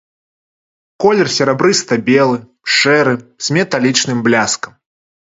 Колер серабрыста-белы, шэры, з металічным бляскам.